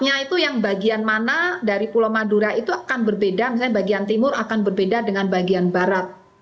artinya itu yang bagian mana dari pulau madura itu akan berbeda misalnya bagian timur akan berbeda dengan bagian barat